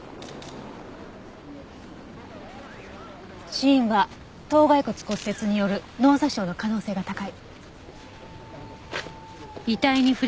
死因は頭蓋骨骨折による脳挫傷の可能性が高い。